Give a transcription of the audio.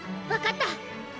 分かった！